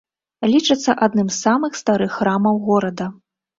Лічыцца адным з самых старых храмаў горада.